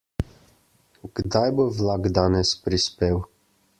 Kdaj bo vlak danes prispel?